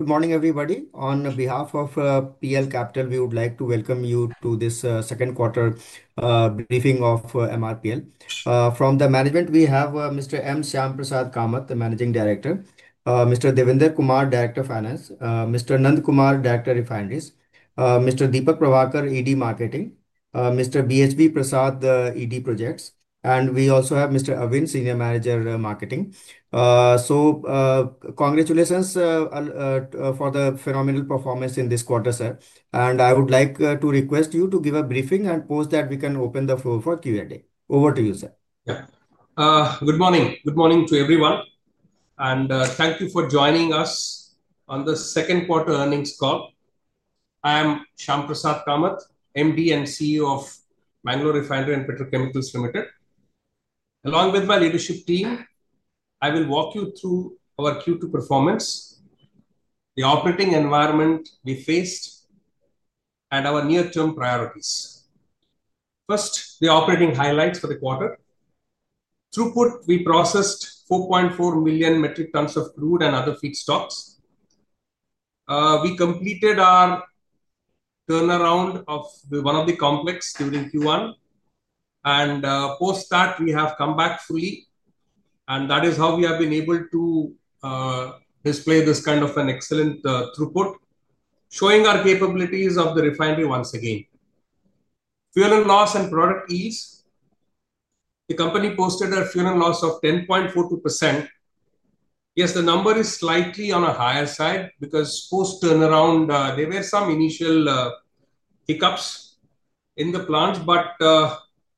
Good morning, everybody. On behalf of PL Capital, we would like to welcome you to this second quarter briefing of Mangalore Refinery and Petrochemicals Ltd. From the management, we have Mr. M. Shyamprasad Kamath, the Managing Director, Mr. Devendra Kumar, Director of Finance, Mr. Nanda Kumar, Director of Refineries, Mr. Deepak Pravakar, Executive Director, Marketing, Mr. BSV Prasad, Executive Director, Projects, and we also have Mr. Awin, Senior Manager, Marketing. Congratulations for the phenomenal performance in this quarter, sir. I would like to request you to give a briefing and post that we can open the floor for Q&A. Over to you, sir. Good morning. Good morning to everyone. Thank you for joining us on the second quarter earnings call. I am M. Shyamprasad Kamath, MD and CEO of Mangalore Refinery and Petrochemicals Ltd. Along with my leadership team, I will walk you through our Q2 performance, the operating environment we faced, and our near-term priorities. First, the operating highlights for the quarter. Throughput, we processed 4.4 million metric tons of crude and other feedstocks. We completed our turnaround of one of the complexes during Q1. Post that, we have come back fully. That is how we have been able to display this kind of an excellent throughput, showing our capabilities of the refinery once again. Fuel and loss and product yields, the company posted a fuel and loss of 10.42%. The number is slightly on the higher side because post-turnaround, there were some initial hiccups in the plants.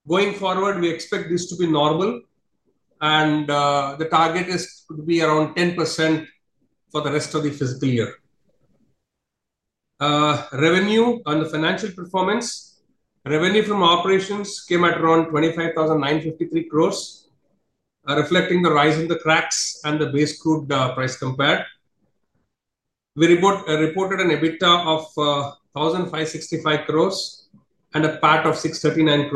Going forward, we expect this to be normal. The target is to be around 10% for the rest of the fiscal year. Revenue on the financial performance, revenue from operations came at around 25,953 crore, reflecting the rise in the CRAX and the base crude price compared. We reported an EBITDA of 1,565 crore and a PAT of 639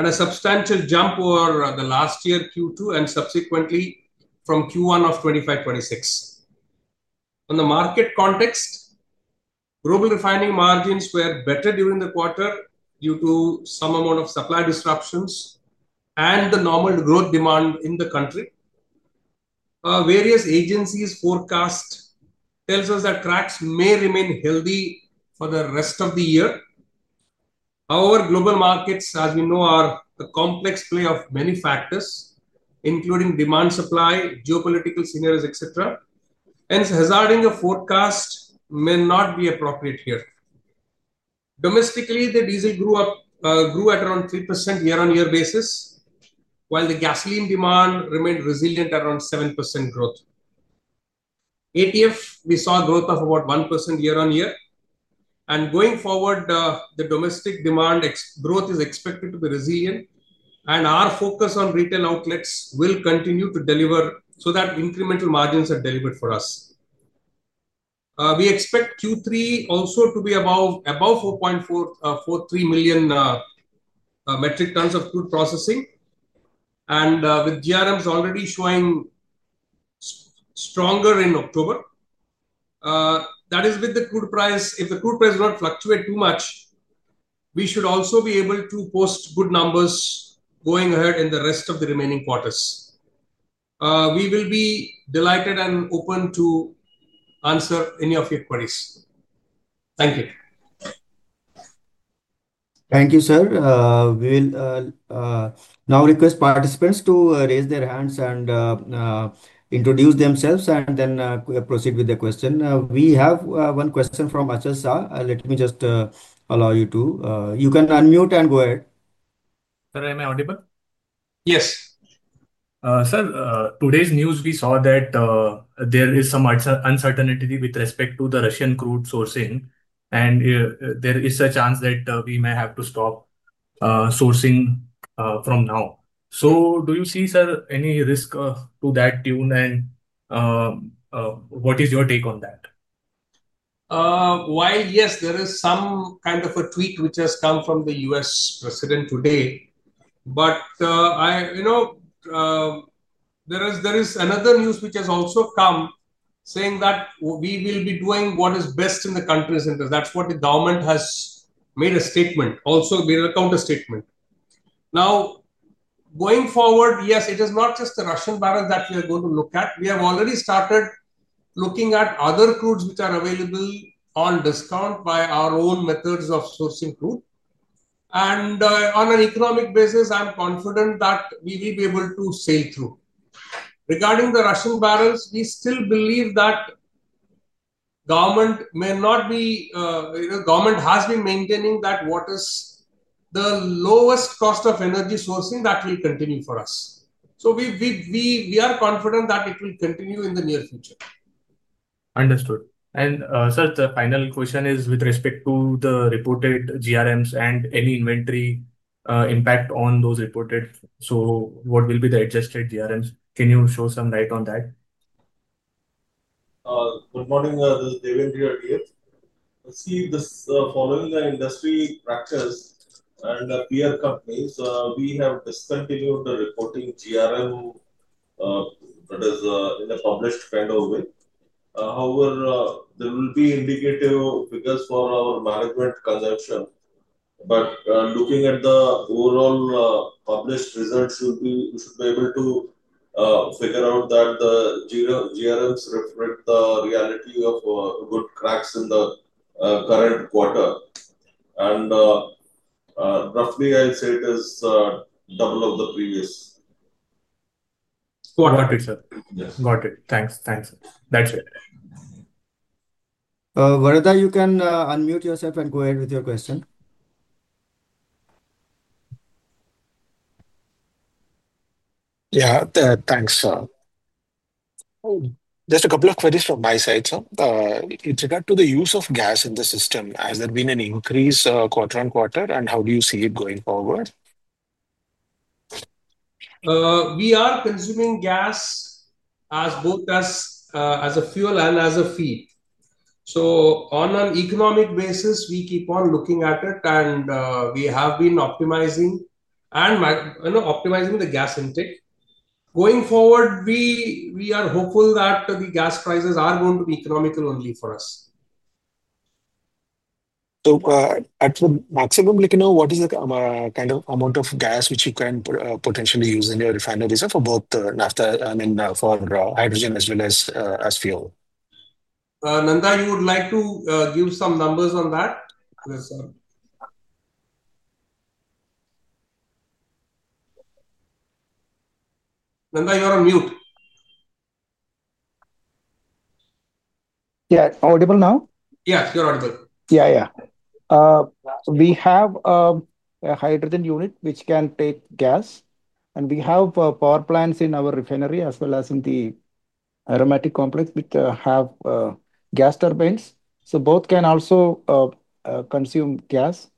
crore, a substantial jump over last year Q2 and subsequently from Q1 of 2025-2026. On the market context, global refining margins were better during the quarter due to some amount of supply disruptions and the normal growth demand in the country. Various agencies' forecasts tell us that CRAX may remain healthy for the rest of the year. However, global markets, as you know, are a complex play of many factors, including demand, supply, geopolitical scenarios, etc. Hazarding a forecast may not be appropriate here. Domestically, the diesel grew at around 3% year-on-year basis, while the gasoline demand remained resilient at around 7% growth. Aviation turbine fuel, we saw growth of about 1% year-on-year. Going forward, the domestic demand growth is expected to be resilient. Our focus on retail outlets will continue to deliver so that incremental margins are delivered for us. We expect Q3 also to be above 4.43 million metric tons of crude processing. With GRMs already showing stronger in October, that is with the crude price, if the crude price does not fluctuate too much, we should also be able to post good numbers going ahead in the rest of the remaining quarters. We will be delighted and open to answer any of your queries. Thank you. Thank you, sir. We will now request participants to raise their hands and introduce themselves, and then we'll proceed with the question. We have one question from Ajay Shah. Let me just allow you to. You can unmute and go ahead. Sir, am I audible? Yes. Sir, today's news, we saw that there is some uncertainty with respect to the Russian crude sourcing. There is a chance that we may have to stop sourcing from now. Do you see, sir, any risk to that tune? What is your take on that? Yes, there is some kind of a tweet which has come from the U.S. president today. There is another news which has also come saying that we will be doing what is best in the country's interest. That's what the government has made a statement, also a counterstatement. Going forward, it is not just the Russian barrels that we are going to look at. We have already started looking at other crudes which are available on discount by our own methods of sourcing crude. And on an economic basis, I'm confident that we will be able to sail through. Regarding the Russian barrels, we still believe that government has been maintaining that what is the lowest cost of energy sourcing, that will continue for us. We are confident that it will continue in the near future. Understood. Sir, the final question is with respect to the reported GRMs and any inventory impact on those reported. What will be the adjusted GRMs? Can you shed some light on that? Good morning, Devendra here. See, following the industry practice and the peer companies, we have discontinued the reporting GRM that is in a published kind of way. However, there will be indicative figures for our management consumption. Looking at the overall published results, we should be able to figure out that the GRMs reflect the reality of good CRAX in the current quarter. And roughly, I'd say it is double of the previous. Got it, sir. Got it. Thanks. Thanks. That's it. Varadha, you can unmute yourself and go ahead with your question. Yeah, thanks, sir. Just a couple of queries from my side, sir. In regard to the use of gas in the system, has there been an increase quarter on quarter? How do you see it going forward? We are consuming gas as both as a fuel and as a feed. On an economic basis, we keep on looking at it. We have been optimizing and optimizing the gas intake. Going forward, we are hopeful that the gas prices are going to be economical only for us. At the maximum, like, you know, what is the kind of amount of gas which you can potentially use in your refinery? Is it for both the naphtha, I mean, for hydrogen as well as fuel? Nanda, you would like to give some numbers on that? Yes, sir. Nanda, you're on mute. Yeah, audible now? Yeah, you're audible. Yeah, yeah. We have a hydrogen unit which can take gas. We have power plants in our refinery as well as in the aromatic complex which have gas turbines. So both can also consume gas.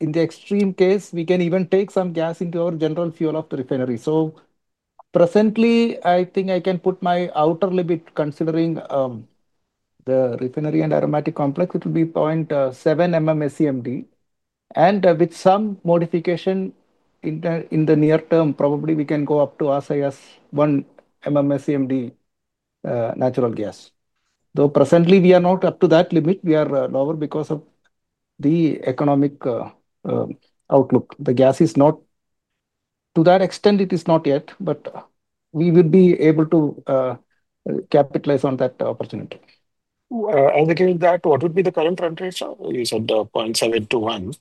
In the extreme case, we can even take some gas into our general fuel of the refinery. So presently, I think I can put my outer limit, considering the refinery and aromatic complex, it will be 0.7 SEMD. With some modification in the near term, probably we can go up to one SEMD natural gas. Though presently, we are not up to that limit. We are lower because of the economic outlook. The gas is not to that extent, it is not yet. We will be able to capitalize on that opportunity. Looking at that, what would be the current rent ratio? You said 0.7 to 1.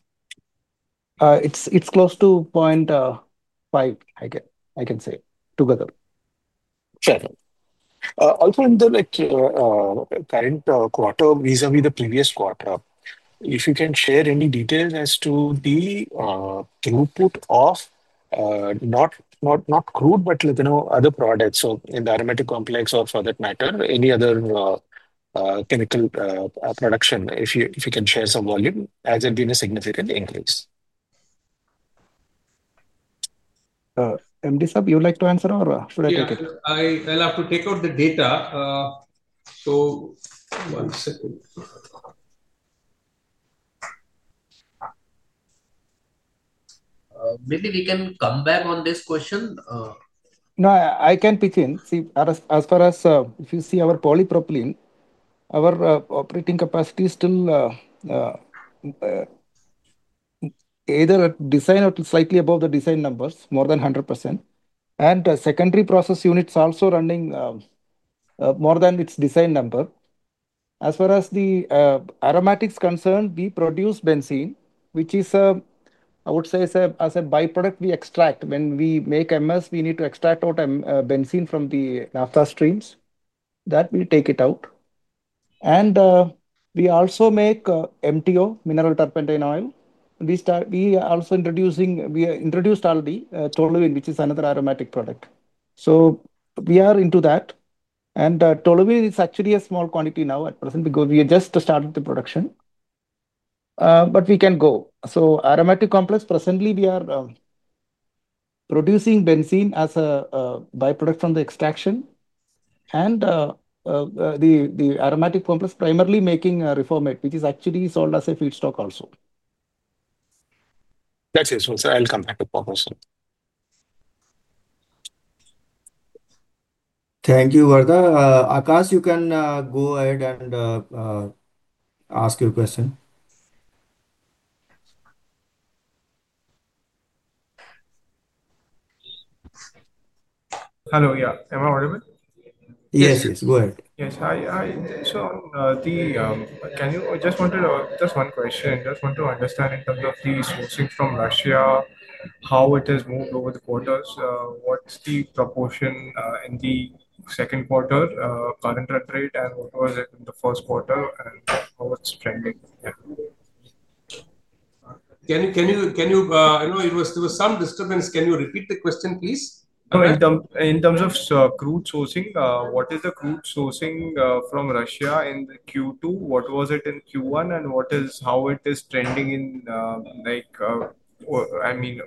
It's close to 0.5, I can say together. Fair enough. Also, in the current quarter vis-à-vis the previous quarter, if you can share any details as to the throughput of not crude, but other products, in the aromatic complex or, for that matter, any other chemical production, if you can share some volume, has there been a significant increase? MD, sir, would you like to answer or should I take it? I'll have to take out the data. One second. Maybe we can come back on this question. No, I can pitch in. See, as far as if you see our polypropylene, our operating capacity is still either at design or slightly above the design numbers, more than 100%. Secondary process units are also running more than its design number. As far as the aromatics are concerned, we produce benzene, which is, I would say, as a byproduct we extract. When we make MS, we need to extract out benzene from the naphtha streams. That will take it out. We also make MTO, mineral turpentine oil. We are also introducing, we introduced already, toluene, which is another aromatic product. So we are into that. Toluene is actually a small quantity now at present because we have just started the production, but we can go. Aromatic complex, presently, we are producing benzene as a byproduct from the extraction. And the aromatic complex is primarily making reformat, which is actually sold as a feedstock also. That's useful, sir. I'll come back to that also. Thank you, Varadha. Akash, you can go ahead and ask your question. Hello. Am I audible? Yes, yes. Go ahead. Yes. Hi. Just one question just want to understand in terms of the sourcing from Russia, how it has moved over the quarters. What's the proportion in the second quarter, current rate, and what was it in the first quarter, and how it's trending? There was some disturbance. Can you repeat the question, please? In terms of crude sourcing, what is the crude sourcing from Russia in Q2? What was it in Q1? How is it trending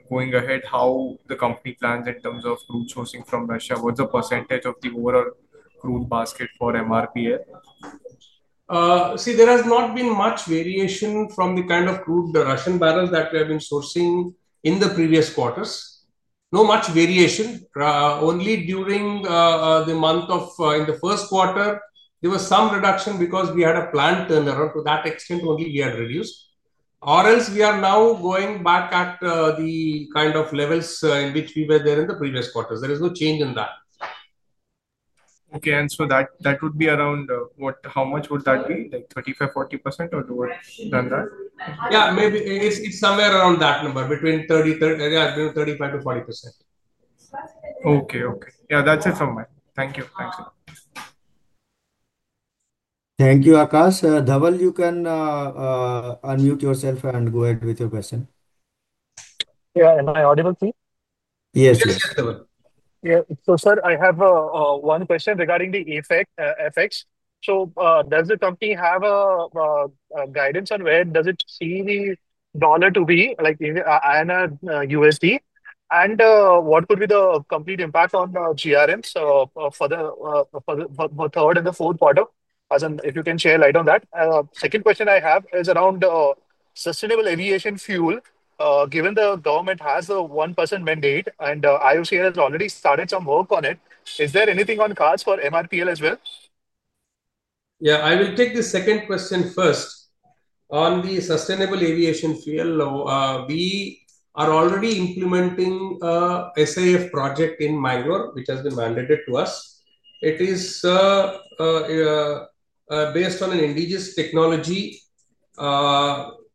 going ahead, how the company plans in terms of crude sourcing from Russia? What's the percentage of the overall crude basket for MRPL? See, there has not been much variation from the kind of crude, the Russian barrels that we have been sourcing in the previous quarters. Not much variation. Only during the first quarter, there was some reduction because we had a planned turnaround. To that extent only, we had reduced. Otherwise, we are now going back at the kind of levels in which we were there in the previous quarters. There is no change in that. Okay. That would be around what? How much would that be? Like 35%, 40% or more than that? Yeah maybe it's somewhere around that number, between 35%-40%. Okay. Okay. Yeah, that's it from my thank you. Thank you. Thank you, Akash. Dhaval, you can unmute yourself and go ahead with your question. Am I audible, please? Yes, yes. Yeah. Sir, I have one question regarding the FX. Does the company have a guidance on where it sees the dollar to be, like in INR/USD? What would be the complete impact on GRMs for the third and the fourth quarter, if you can share light on that? Second question I have is around sustainable aviation fuel. Given the government has the 1% mandate and IOC has already started some work on it, is there anything on cards for MRPL as well? Yeah. I will take the second question first. On the sustainable aviation fuel, we are already implementing an SAF project in Mangalore, which has been mandated to us. It is based on an indigenous technology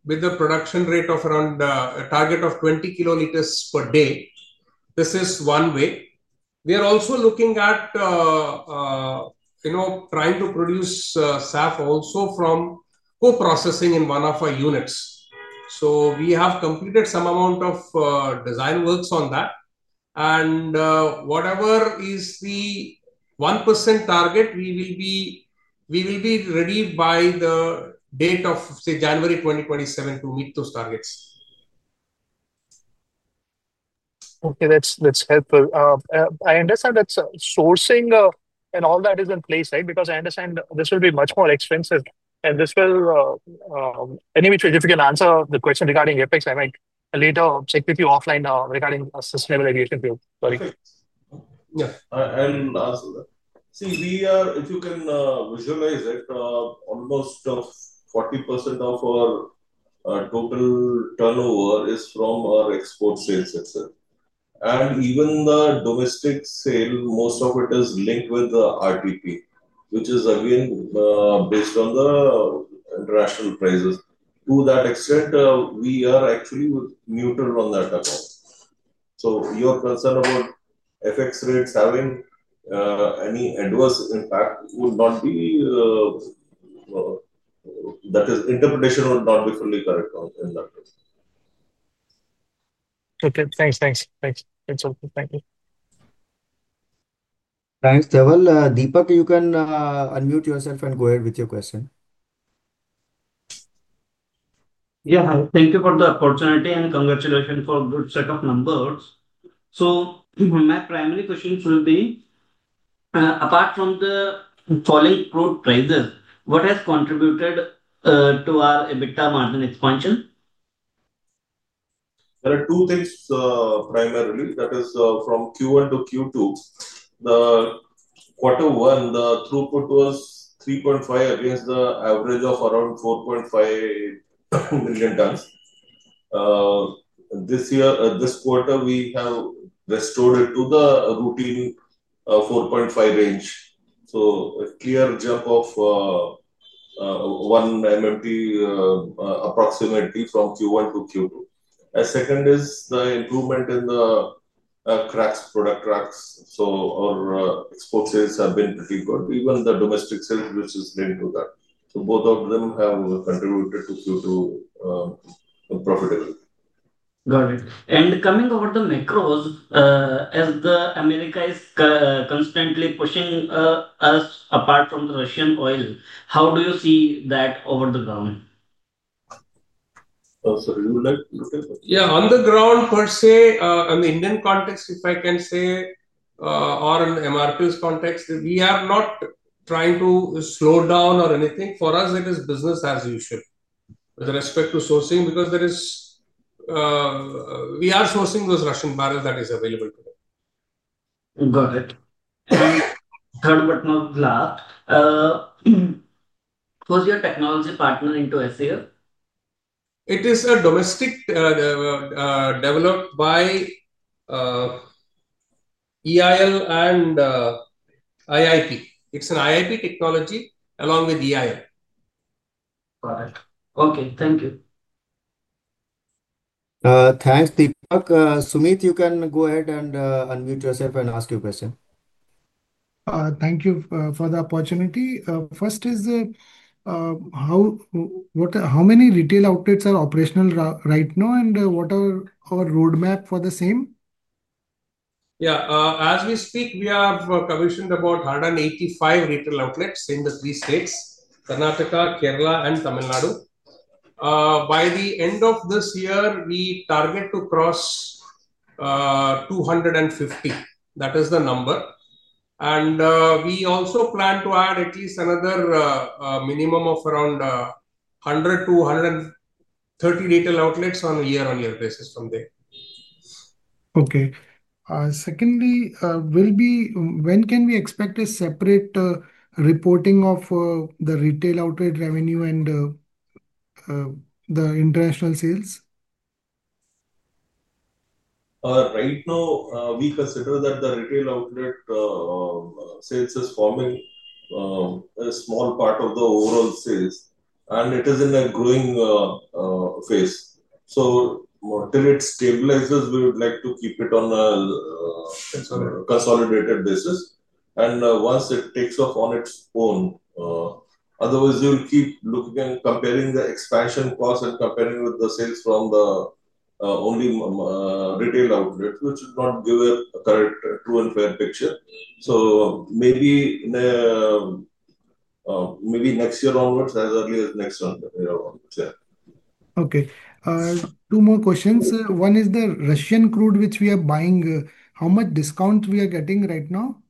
with a production rate of around a target of 20 kiloliters per day. This is one way. We are also looking at trying to produce SAF also from co-processing in one of our units. So we have completed some amount of design works on that. Whatever is the 1% target, we will be ready by the date of, say, January 2027 to meet those targets. Okay. That's helpful. I understand that sourcing and all that is in place, right? I understand this will be much more expensive. If you can answer the question regarding FX, I might later check with you offline regarding sustainable aviation fuel. Sorry. Yeah. I'll answer that. See, we are, if you can visualize it, almost 40% of our total turnover is from our export sales itself. Even the domestic sale, most of it is linked with the RTP, which is, again, based on the international prices. To that extent, we are actually neutral on that account. Your concern about FX rates having any adverse impact would not be, that interpretation would not be fully correct in that way. Thanks. Thanks. Thanks. That's helpful. Thank you. Thanks, Dhaval. Deepak, you can unmute yourself and go ahead with your question. Thank you for the opportunity and congratulations for a good set of numbers. So my primary questions will be, apart from the falling crude prices, what has contributed to our EBITDA margin expansion? There are two things primarily. That is, from Q1 to Q2, the quarter one, the throughput was 3.5 against the average of around 4.5 million tons. This year, this quarter, we have restored it to the routine 4.5 range. A clear jump of one MMT approximately from Q1 to Q2. The second is the improvement in the CRAX product CRAX. Our export sales have been pretty good, even the domestic sales, which is linked to that. So both of them have contributed to Q2 profitability. Got it. Coming over the macros, as America is constantly pushing us apart from the Russian oil, how do you see that over the ground? Sorry, you would like to take? Yeah. On the ground, per se, in the Indian context, if I can say, or in MRPL's context, we are not trying to slow down or anything. For us, it is business as usual with respect to sourcing because we are sourcing those Russian barrels that are available today. Got it. Third, but not the last. Who is your technology partner into sustainable aviation fuel? It is a domestic developed by Engineers India Limited and Indian Institute of Petroleum. It's an Indian Institute of Petroleum technology along with Engineers India Limited. Got it. Okay. Thank you. Thanks, Deepak. Sumit, you can go ahead and unmute yourself and ask your question. Thank you for the opportunity. First is how many retail outlets are operational right now, and what are our roadmap for the same? As we speak, we have commissioned about 185 retail outlets in the three states: Karnataka, Kerala, and Tamil Nadu. By the end of this year, we target to cross 250. That is the number. We also plan to add at least another minimum of around 100 to 130 retail outlets on a year-on-year basis from there. Okay. Secondly, when can we expect a separate reporting of the retail outlet revenue and the international sales? Right now, we consider that the retail outlet sales is forming a small part of the overall sales. It is in a growing phase. Until it stabilizes, we would like to keep it on a consolidated basis. Once it takes off on its own, otherwise, you'll keep looking and comparing the expansion costs and comparing with the sales from the only retail outlets, which would not give a correct, true, and fair picture. Maybe next year onwards, as early as next year onwards. Yeah. Okay. Two more questions. One is the Russian crude which we are buying. How much discount we are getting right now?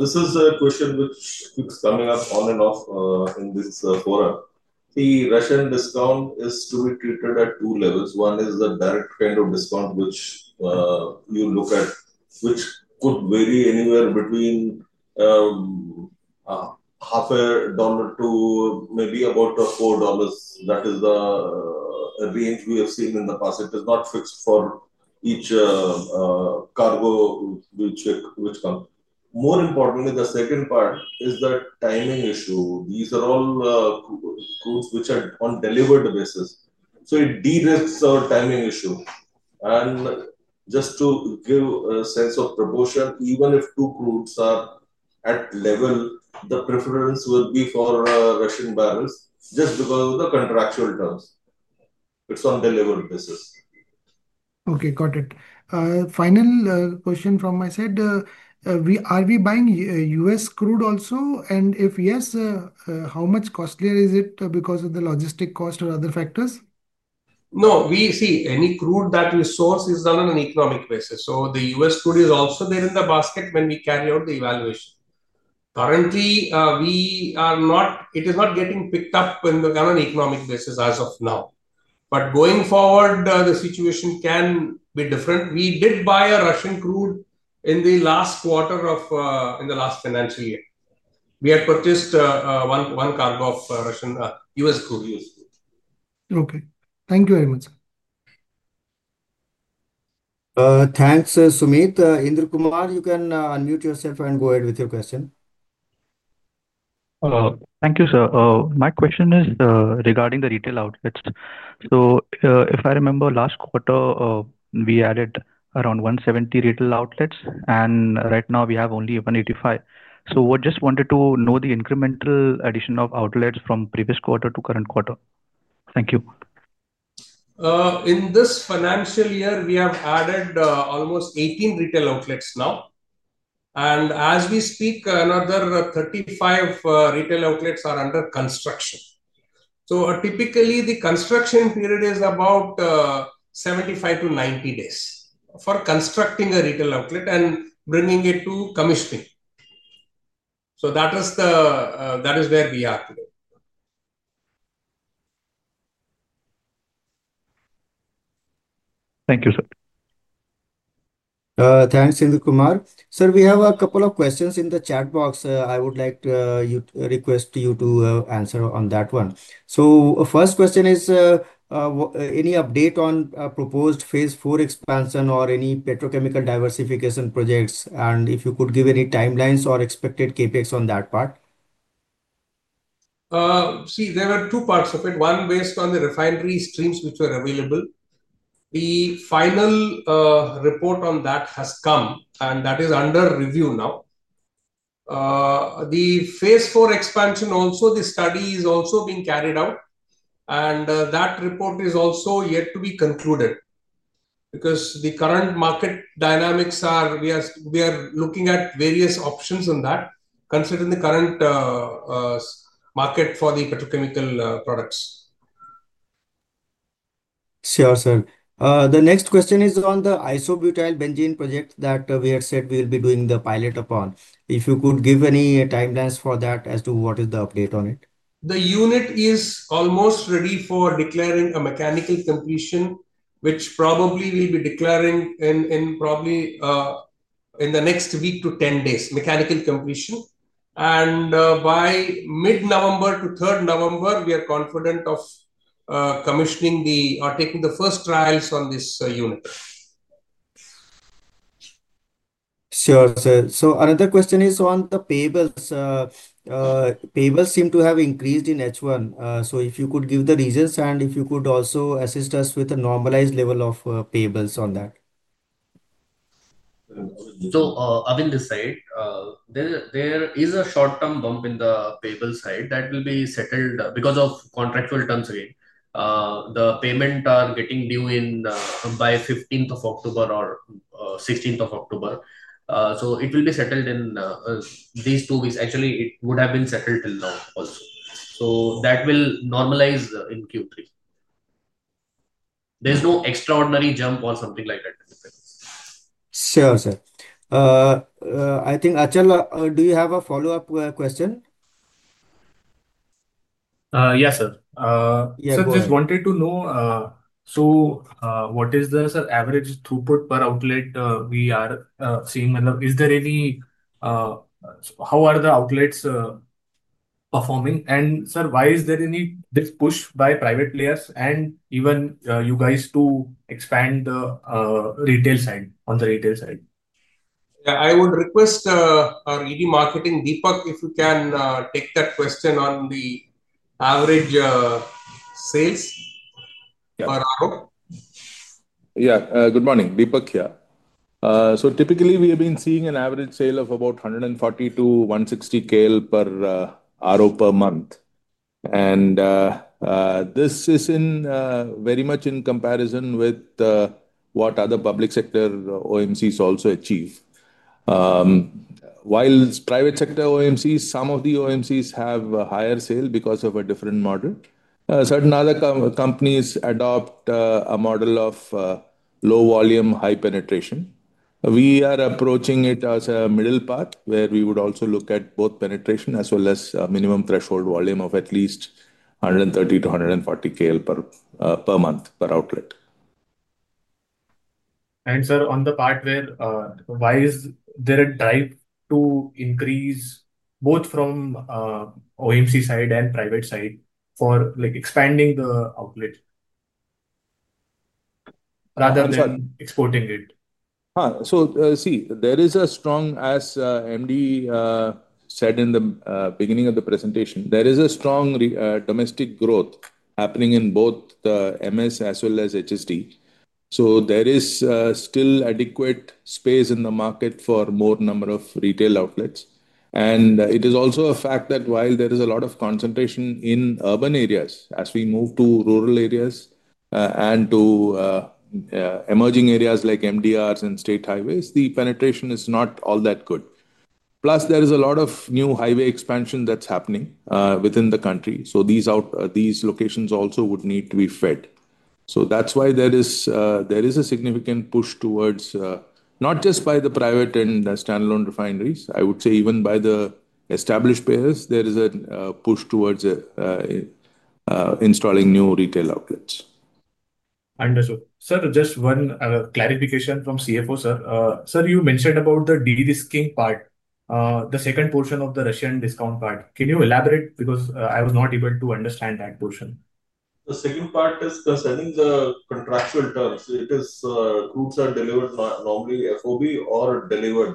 This is a question which keeps coming up on and off in this forum. The Russian discount is to be treated at two levels. One is the direct kind of discount, which you look at, which could vary anywhere between $0.50 to maybe about $4. That is the range we have seen in the past. It is not fixed for each cargo which comes. More importantly, the second part is the timing issue. These are all crudes which are on a delivered basis. It de-risks our timing issue. Just to give a sense of proportion, even if two crudes are at level, the preference would be for Russian barrels just because of the contractual terms. It's on a delivered basis. Okay. Got it. Final question from my side. Are we buying U.S. crude also? If yes, how much costlier is it because of the logistic cost or other factors? No. We see any crude that we source is done on an economic basis. The U.S. crude is also there in the basket when we carry out the evaluation. Currently, it is not getting picked up on an economic basis as of now. Going forward, the situation can be different. We did buy a Russian crude in the last quarter of the last financial year. We had purchased one cargo of U.S. crude. Okay, thank you very much. Thanks, Sumit. Inder Kumar, you can unmute yourself and go ahead with your question. Thank you, sir. My question is regarding the retail outlets. If I remember, last quarter, we added around 170 retail outlets. Right now, we have only 185. I just wanted to know the incremental addition of outlets from previous quarter to current quarter. Thank you. In this financial year, we have added almost 18 retail outlets now. As we speak, another 35 retail outlets are under construction. Typically, the construction period is about 75-90 days for constructing a retail outlet and bringing it to commissioning. That is where we are today. Thank you, sir. Thanks, Inder Kumar. Sir, we have a couple of questions in the chat box. I would like to request you to answer on that one. The first question is, any update on proposed phase four expansion or any petrochemical diversification projects? If you could give any timelines or expected KPIs on that part. See, there were two parts of it. One based on the refinery streams which were available. The final report on that has come, and that is under review now. The phase four expansion also, the study is also being carried out. That report is also yet to be concluded because the current market dynamics are we are looking at various options on that, considering the current market for the petrochemical products. Sure, sir. The next question is on the isobutyl benzene project that we had said we will be doing the pilot upon. If you could give any timelines for that as to what is the update on it. The unit is almost ready for declaring mechanical completion, which we'll probably be declaring in the next week to 10 days, mechanical completion. By mid-November to 3rd November, we are confident of commissioning or taking the first trials on this unit. Sure, sir. Another question is on the payables. Payables seem to have increased in H1. If you could give the reasons and if you could also assist us with a normalized level of payables on that. There is a short-term bump in the payable side that will be settled because of contractual terms again. The payments are getting due by the 15th of October or 16th of October. It will be settled in these two weeks. Actually, it would have been settled till now also. That will normalize in Q3. There's no extraordinary jump or something like that. Sure, sir. I think, Ajay, do you have a follow-up question? Yes, sir. Yeah, go ahead. I just wanted to know, what is the average throughput per outlet we are seeing? Is there any, how are the outlets performing? Sir, why is there this push by private players and even you guys to expand on the retail side? Yeah, I would request our ED Marketing, Deepak, if you can take that question on the average sales per RO. Good morning. Deepak here. Typically, we have been seeing an average sale of about 140 to 160 KL per retail outlet per month. This is very much in comparison with what other public sector OMCs also achieve. While private sector OMCs, some of the OMCs have a higher sale because of a different model. Certain other companies adopt a model of low volume, high penetration. We are approaching it as a middle path where we would also look at both penetration as well as a minimum threshold volume of at least 130 to 140 KL per month per outlet. Sir, on the part where why is there a drive to increase both from OMC side and private side for expanding the outlet rather than exporting it? There is a strong, as MD said in the beginning of the presentation, there is a strong domestic growth happening in both the MS as well as HSD. There is still adequate space in the market for a more number of retail outlets. It is also a fact that while there is a lot of concentration in urban areas, as we move to rural areas and to emerging areas like MDRs and state highways, the penetration is not all that good. Plus, there is a lot of new highway expansion that's happening within the country. These locations also would need to be fed. That is why there is a significant push towards not just by the private and the standalone refineries. I would say even by the established players, there is a push towards installing new retail outlets. Understood. Sir, just one clarification from CFO, sir. You mentioned about the de-risking part, the second portion of the Russian discount card. Can you elaborate? Because I was not able to understand that portion. The second part is concerning the contractual terms. Crudes are delivered normally FOB or delivered.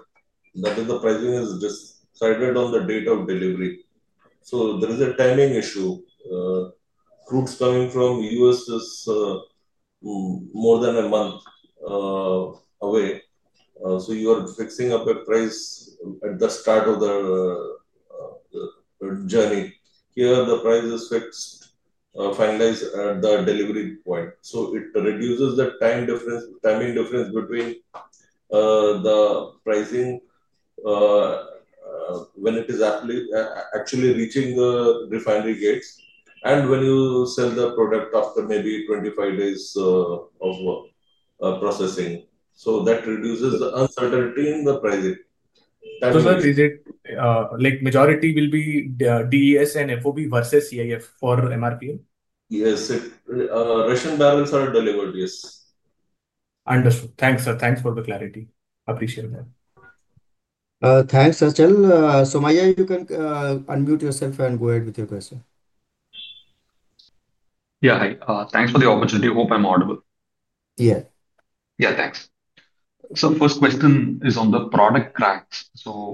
That is, the pricing is decided on the date of delivery. There is a timing issue. Crudes coming from the U.S. is more than a month away. You are fixing up a price at the start of the journey. Here, the price is fixed, finalized at the delivery point. It reduces the timing difference between the pricing when it is actually reaching the refinery gates and when you sell the product after maybe 25 days of processing. That reduces the uncertainty in the pricing. Sir, is it like majority will be DES and FOB versus CIF for MRPL? Yes, Russian barrels are delivered, yes. Understood. Thanks, sir. Thanks for the clarity. Appreciate that. Thanks, Ajay. Somaya, you can unmute yourself and go ahead with your question. Hi. Thanks for the opportunity. Hope I'm audible. Yeah. Thank you. The first question is on the product CRAX.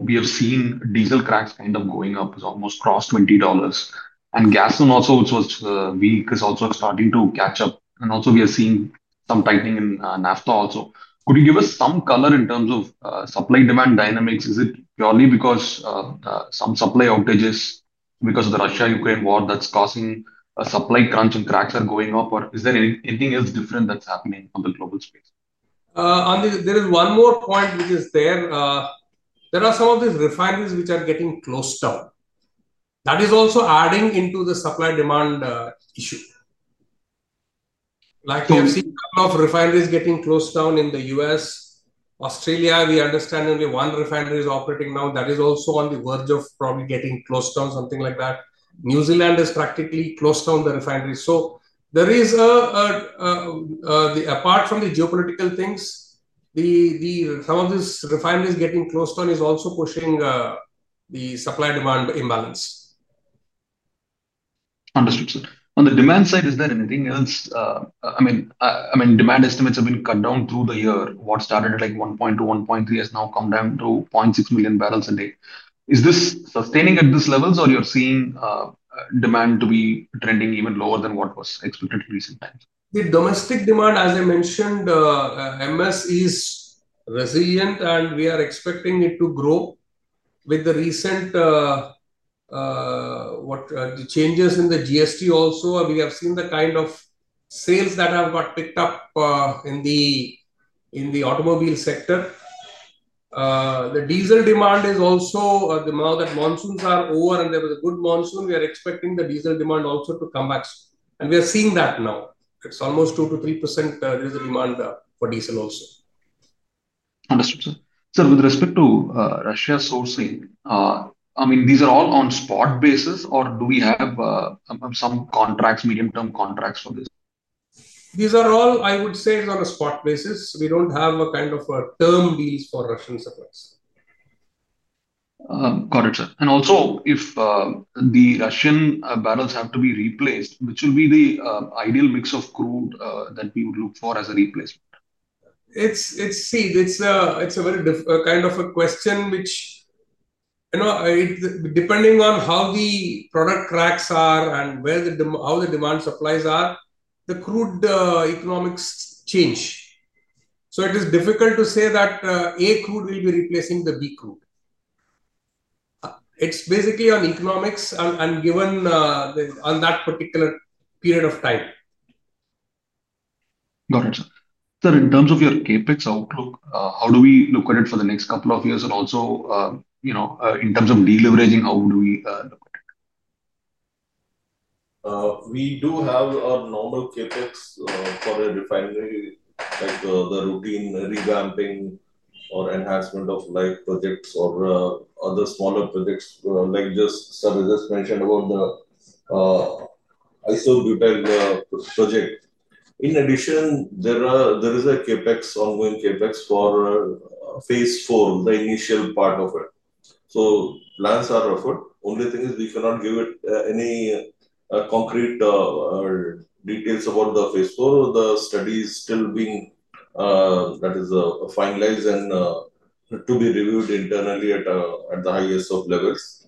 We have seen diesel CRAX going up. It's almost crossed $20. Gasoline, which was weak, is also starting to catch up. We are seeing some tightening in naphtha also. Could you give us some color in terms of supply-demand dynamics? Is it purely because of some supply outages because of the Russia-Ukraine war that's causing a supply crunch and CRAX are going up? Is there anything else different that's happening on the global space? There is one more point which is there. There are some of these refineries which are getting closed down. That is also adding into the supply-demand issue. Like you have seen a couple of refineries getting closed down in the U.S. Australia, we understand only one refinery is operating now. That is also on the verge of probably getting closed down, something like that. New Zealand is practically closed down, the refinery. There is, apart from the geopolitical things, some of these refineries getting closed down is also pushing the supply-demand imbalance. Understood, sir. On the demand side, is there anything else? I mean, demand estimates have been cut down through the year. What started at $1.2 million, $1.3 million has now come down to $0.6 million barrels a day. Is this sustaining at these levels? You're seeing demand to be trending even lower than what was expected in recent times? The domestic demand, as I mentioned, MS is resilient. We are expecting it to grow with the recent changes in the GST also. We have seen the kind of sales that have got picked up in the automobile sector. The diesel demand is also, now that monsoons are over and there was a good monsoon, we are expecting the diesel demand also to come back. We are seeing that now. It's almost 2 to 3% there is a demand for diesel also. Understood, sir. Sir, with respect to Russia sourcing, I mean, these are all on a spot basis, or do we have some contracts, medium-term contracts for this? These are all, I would say, on a spot basis. We don't have a kind of a term deal for Russian supplies. Got it, sir. If the Russian barrels have to be replaced, which will be the ideal mix of crude that we would look for as a replacement? See, it's a very kind of a question which, you know, depending on how the product CRAX are and how the demand supplies are, the crude economics change. It is difficult to say that A crude will be replacing the B crude. It's basically on economics and given on that particular period of time. Got it, sir. Sir, in terms of your capex outlook, how do we look at it for the next couple of years? Also, in terms of deleveraging, how do we look at it? We do have our normal capex for the refinery, like the routine revamping or enhancement of life projects or other smaller projects, like just, sir, as I just mentioned about the isobutyl benzene project. In addition, there is an ongoing capex for phase four, the initial part of it. Plans are offered. The only thing is we cannot give any concrete details about the phase four. The study is still being finalized and to be reviewed internally at the highest of levels.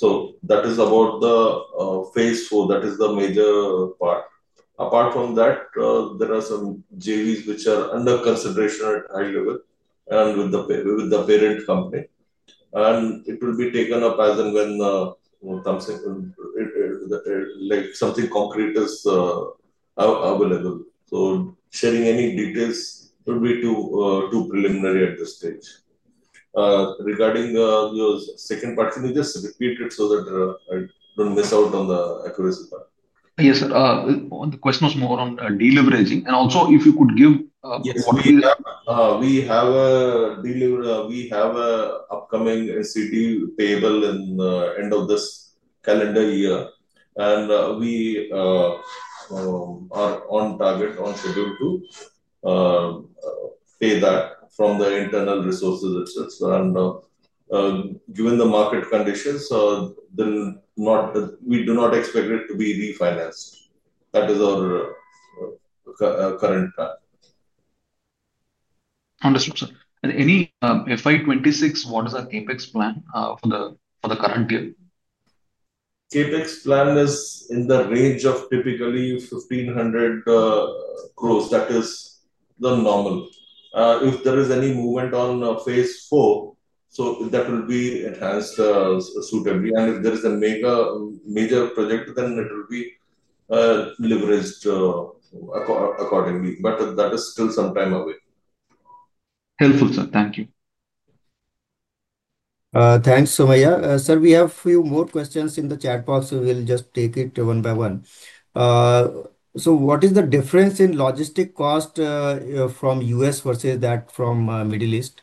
That is about the phase four. That is the major part. Apart from that, there are some JVs which are under consideration at a high level and with the parent company. It will be taken up as and when something concrete is available. Sharing any details would be too preliminary at this stage. Regarding your second part, can you just repeat it so that I don't miss out on the accuracy part? Yes, sir. The question was more on deleveraging. Also, if you could give what is. Yes. We have an upcoming STT payable at the end of this calendar year. We are on target, on schedule to pay that from the internal resources itself. Given the market conditions, we do not expect it to be refinanced. That is our current plan. Understood, sir. Any FY 2026, what is the capex plan for the current year? Capex plan is in the range of typically ₹1,500 crore. That is the normal. If there is any movement on phase four, that will be enhanced suitably. If there is a major project, it will be leveraged accordingly. That is still some time away. Helpful, sir. Thank you. Thanks, Somaya. Sir, we have a few more questions in the chat box. We'll just take it one by one. What is the difference in logistic cost from U.S. versus that from the Middle East?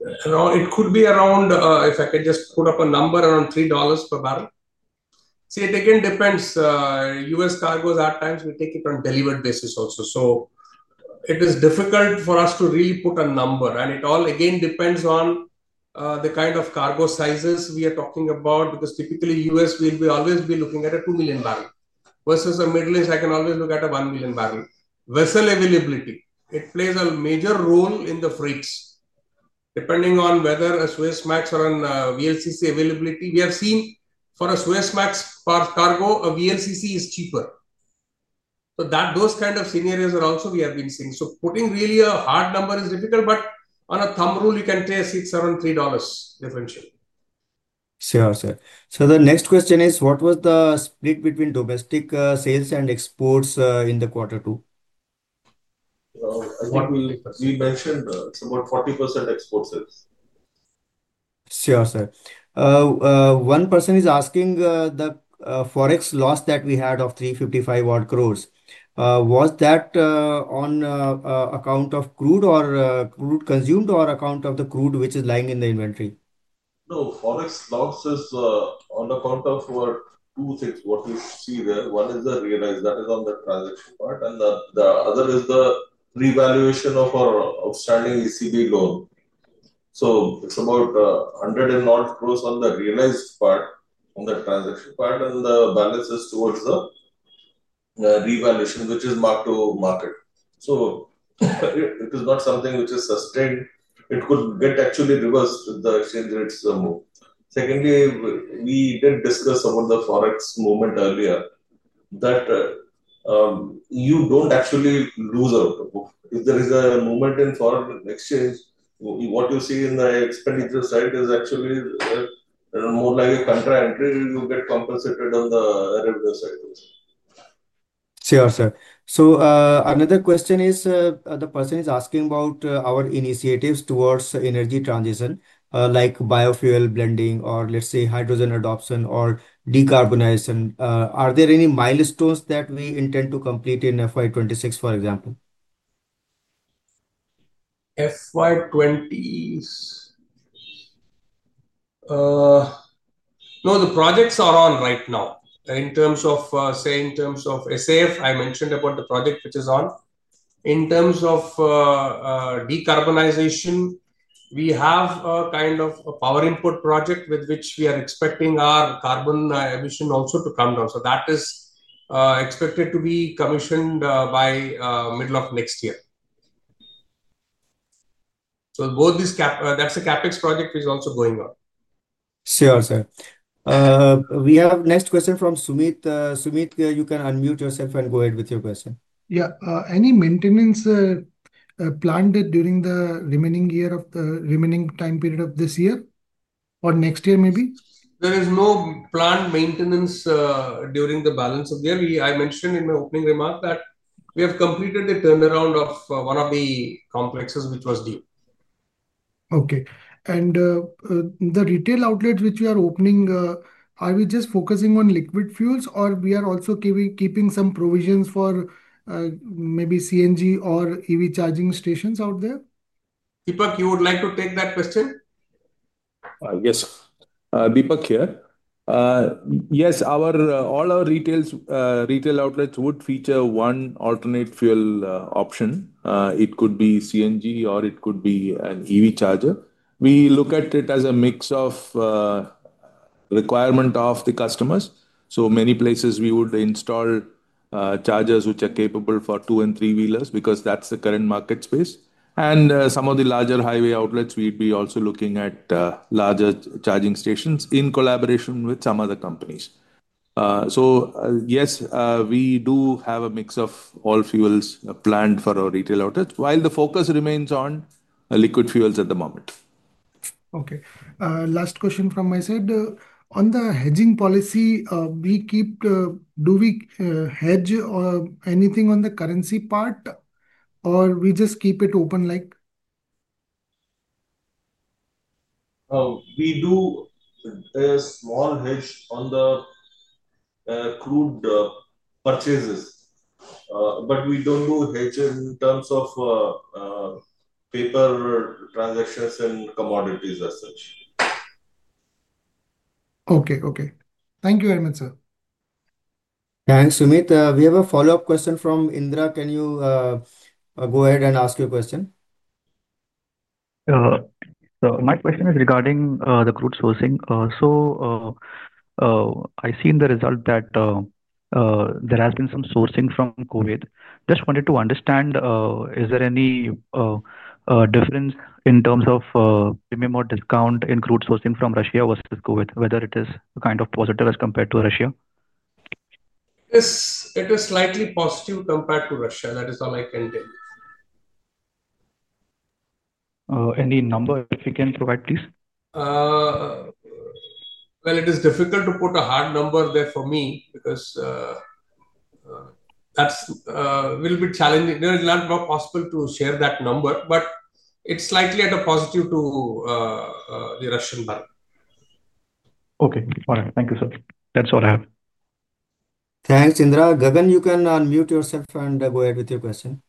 It could be around, if I can just put up a number, around $3 per barrel. See, it again depends. U.S. cargoes at times, we take it on a delivered basis also. It is difficult for us to really put a number. It all, again, depends on the kind of cargo sizes we are talking about because typically, U.S., we'll always be looking at a 2 million barrel versus the Middle East, I can always look at a 1 million barrel. Vessel availability plays a major role in the freights. Depending on whether a Suezmax or a VLCC availability, we have seen for a Suezmax cargo, a VLCC is cheaper. Those kind of scenarios are also we have been seeing. Putting really a hard number is difficult. On a thumb rule, you can say it's around $3 differential. Sure, sir. The next question is, what was the split between domestic sales and exports in the quarter two? We mentioned it's about 40% export sales. Sure, sir. One person is asking the forex loss that we had of 355 crore. Was that on account of crude or crude consumed or account of the crude which is lying in the inventory? No. Forex loss is on account of two things, what we see there. One is the realized, that is on the transaction part. The other is the revaluation of our outstanding ECB loan. It's about 109 crore on the realized part, on the transaction part. The balance is towards the revaluation, which is marked to market. It is not something which is sustained. It could get actually reversed if the exchange rates move. Secondly, we did discuss some of the forex movement earlier, that you don't actually lose out. If there is a movement in foreign exchange, what you see in the expenditure side is actually more like a contra entry. You get compensated on the revenue side also. Sure, sir. Another question is, the person is asking about our initiatives towards energy transition, like biofuel blending or, let's say, hydrogen adoption or decarbonization. Are there any milestones that we intend to complete in FY 2026, for example? FI 20, no, the projects are on right now. In terms of, say, in terms of sustainable aviation fuel (SAF), I mentioned about the project which is on. In terms of decarbonization, we have a kind of a power input project with which we are expecting our carbon emission also to come down. That is expected to be commissioned by the middle of next year. Both these, that's a capex project which is also going on. Sure, sir. We have a next question from Sumit. Sumit, you can unmute yourself and go ahead with your question. Yeah, any maintenance planned during the remaining time period of this year or next year, maybe? There is no planned maintenance during the balance of the year. I mentioned in my opening remark that we have completed a turnaround of one of the complexes which was due. Okay. The retail outlets which we are opening, are we just focusing on liquid fuels, or are we also keeping some provisions for maybe CNG or EV charging stations out there? Deepak, you would like to take that question? Yes. Deepak here. Yes. All our retail outlets would feature one alternate fuel option. It could be CNG or it could be an EV charger. We look at it as a mix of requirement of the customers. In many places, we would install chargers which are capable for two and three wheelers because that's the current market space. Some of the larger highway outlets, we'd be also looking at larger charging stations in collaboration with some other companies. Yes, we do have a mix of all fuels planned for our retail outlets, while the focus remains on liquid fuels at the moment. Okay. Last question from my side. On the hedging policy, do we hedge anything on the currency part, or do we just keep it open? We do a small hedge on the crude purchases. We don't do hedge in terms of paper transactions and commodities as such. Okay. Okay. Thank you very much, sir. Thanks, Sumit. We have a follow-up question from Indra. Can you go ahead and ask your question? My question is regarding the crude sourcing. I see in the result that there has been some sourcing from Kuwait. I just wanted to understand, is there any difference in terms of premium or discount in crude sourcing from Russia versus Kuwait, whether it is a kind of positive as compared to Russia? It is slightly positive compared to Russia. That is all I can tell you. Any number if you can provide, please? It is difficult to put a hard number there for me because that will be challenging. It is not possible to share that number, but it's slightly at a positive to the Russian market. Okay. All right. Thank you, sir. That's all I have. Thanks, Indra. Gagan, you can unmute yourself and go ahead with your question.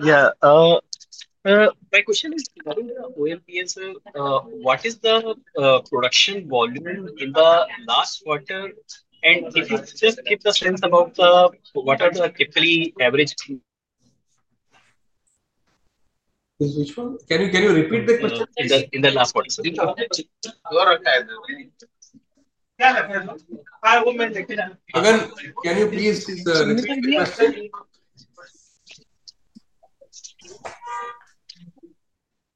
Yeah. My question is, what is the OMPL, sir? What is the production volume in the last quarter? If you could just give the sense about what are the typically average? Which one? Can you repeat the question? In the last quarter. Gagan, can you please repeat the question?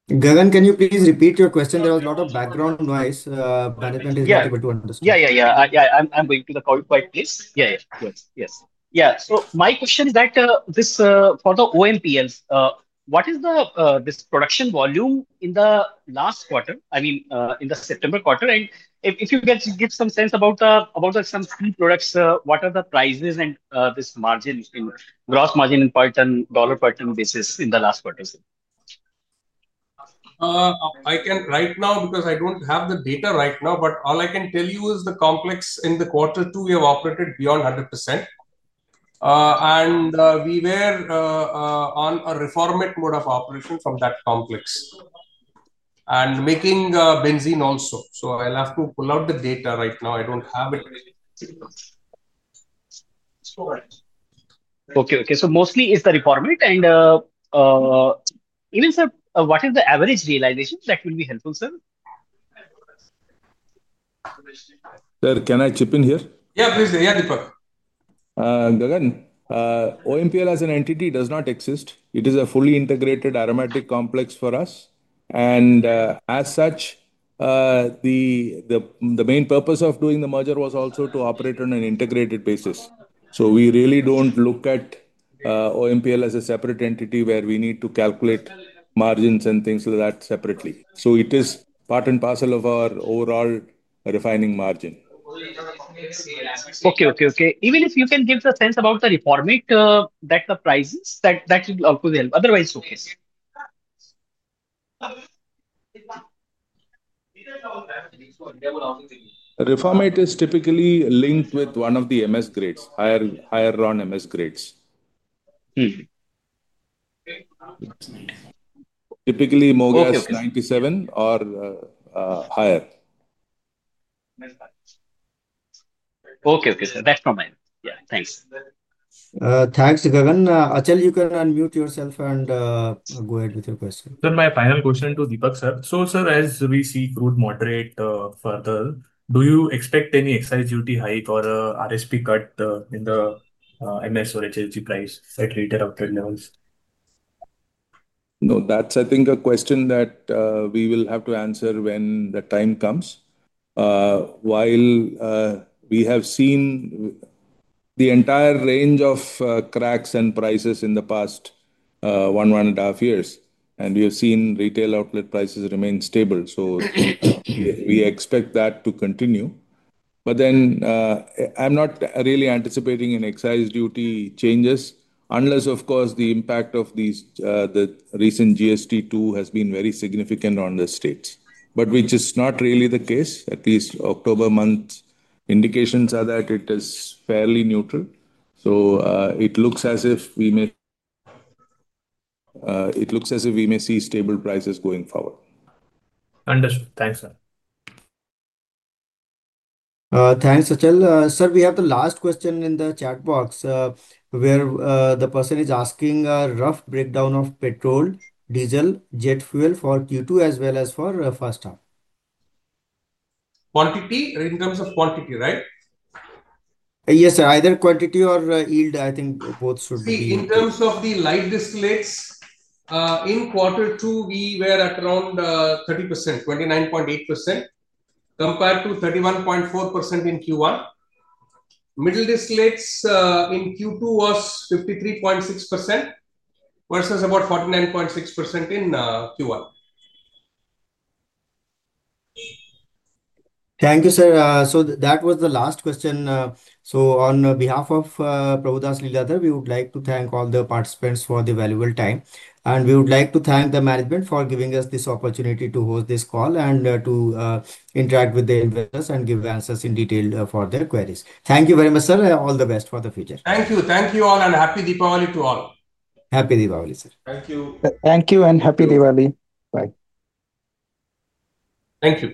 Gagan, can you please repeat your question? There was a lot of background noise. Management is not able to understand. I'm going to the call quiet, please. Yes. My question is that this for the OMPL, what is the production volume in the last quarter, I mean, in the September quarter? If you can give some sense about some key products, what are the prices and this margin in gross margin in part and dollar per ton basis in the last quarter? I can't right now because I don't have the data right now. All I can tell you is the complex in the quarter two, we have operated beyond 100%. We were on a reformate mode of operation from that complex and making benzene also. I'll have to pull out the data right now. I don't have it. Okay. Okay. So mostly is the reformat. Even sir, what is the average realization? That will be helpful, sir. Sir, can I chip in here? Yeah, please. Yeah, Deepak. Gagan, OMPL as an entity does not exist. It is a fully integrated aromatic complex for us. The main purpose of doing the merger was also to operate on an integrated basis. We really don't look at OMPL as a separate entity where we need to calculate margins and things like that separately. It is part and parcel of our overall refining margin. Okay. Even if you can give the sense about the reformat, the prices, that will also help. Otherwise, it's okay. Reformat is typically linked with one of the MS grades, higher-run MS grades. Typically, MOGAS of 97 or higher. Okay, sir. That's fine. Yeah, thanks. Thanks, Gagan. Ajay, you can unmute yourself and go ahead with your question. Sir, my final question to Deepak, sir. As we see crude moderate further, do you expect any excise duty hike or RSP cut in the MS or HLG price at retail outlet levels? No, that's, I think, a question that we will have to answer when the time comes. While we have seen the entire range of CRAX and prices in the past one and a half years, and we have seen retail outlet prices remain stable, we expect that to continue. I'm not really anticipating any excise duty changes unless, of course, the impact of the recent GST2 has been very significant on the states, which is not really the case. At least October month indications are that it is fairly neutral. It looks as if we may see stable prices going forward. Understood. Thanks, sir. Thanks, Ajay. Sir, we have the last question in the chat box where the person is asking a rough breakdown of petrol, diesel, jet fuel for Q2 as well as for first half. Quantity or in terms of quantity, right? Yes, sir. Either quantity or yield, I think both should be. See, in terms of the light distillates, in quarter two, we were at around 30%, 29.8% compared to 31.4% in Q1. Middle distillates in Q2 was 53.6% versus about 49.6% in Q1. Thank you, sir. That was the last question. On behalf of Prabhudas Lilladher, we would like to thank all the participants for their valuable time. We would like to thank the management for giving us this opportunity to host this call and to interact with the investors and give answers in detail for their queries. Thank you very much, sir. All the best for the future. Thank you. Thank you all, and Happy Diwali to all. Happy Diwali, sir. Thank you. Thank you. Thank you and Happy Diwali. Bye. Thank you.